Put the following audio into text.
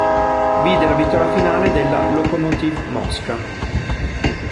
Vide la vittoria finale della Lokomotiv Mosca.